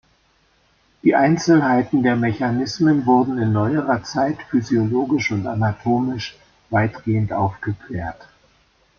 Die Einzelheiten der Mechanismen wurden in neuerer Zeit physiologisch und anatomisch weitgehend aufgeklärt.